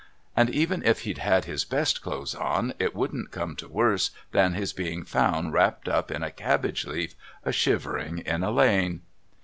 And even if he'd had his best clothes on, it wouldn't come to worse than his being found wrapped up in a cabbage leaf, a shivering in a lane.'